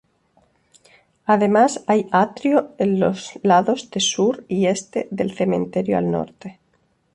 Además hay atrio en los lados sur y este y cementerio al norte.